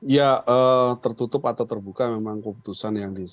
ya tertutup atau terbuka memang keputusan yang disampaikan